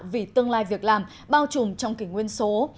vì tương lai việc làm bao trùm trong kỷ nguyên số